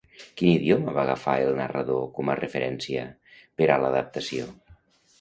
Quin idioma va agafar el narrador com a referència per a l'adaptació?